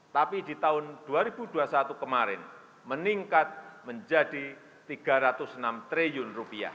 tapi di tahun dua ribu dua puluh satu kemarin meningkat menjadi rp tiga ratus enam triliun